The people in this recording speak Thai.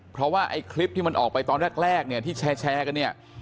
เพราะว่าไอ้คลิปที่มันออกไปตอนแรกเนี่ยที่แชร์กันเนี่ย